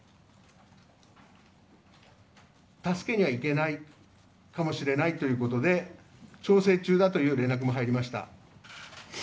助けが行けないかもしれないということで調整中だという連絡も入りました。